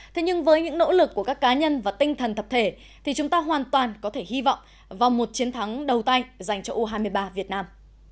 thế nhưng với những nỗ lực của các cá nhân và tinh thần thập thể thì chúng ta hoàn toàn có thể hy vọng vào một chiến thắng đầu tay dành cho u hai mươi ba việt nam